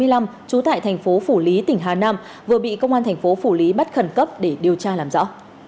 trú tại thành phố phủ lý tỉnh hà nam vừa bị công an thành phố phủ lý bắt khẩn cấp để điều tra làm rõ